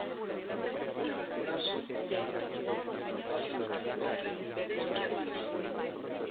calambrazo o flato. vas a mi camarote y me despiertas .